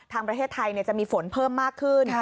ทางประเทศไทยจะมีฝนเพิ่มมากขึ้น